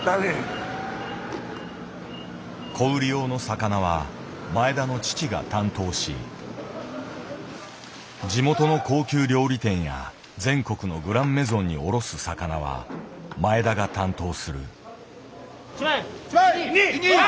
小売り用の魚は前田の父が担当し地元の高級料理店や全国のグランメゾンに卸す魚は前田が担当する。